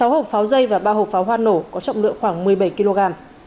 sáu hộp pháo dây và ba hộp pháo hoa nổ có trọng lượng khoảng một mươi bảy kg